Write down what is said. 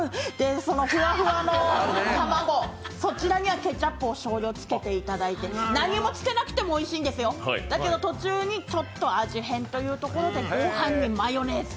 そのふわふわの卵、そちらにはケチャップを少量つけていただいて何もつけなくてもおいしいんですよ、だけど途中にちょっと味変というところに、ごはんにマヨネーズ！